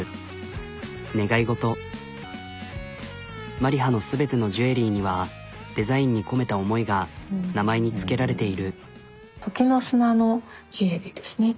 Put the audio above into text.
ＭＡＲＩＨＡの全てのジュエリーにはデザインに込めた思いが名前に付けられている。